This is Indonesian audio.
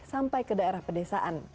sampai ke daerah pedesaan